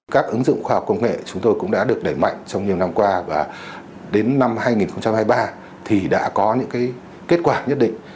các ứng dụng khoa học công nghệ chúng tôi cũng đã được đẩy mạnh trong nhiều năm qua và đến năm hai nghìn hai mươi ba thì đã có những kết quả nhất định